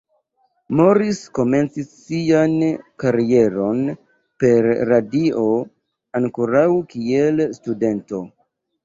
Morris komencis sian karieron per radio ankoraŭ kiel studento.